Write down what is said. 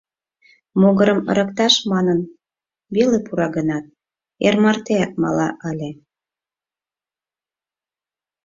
Могырым ырыкташ манын веле пура гынат, эр мартеак мала ыле.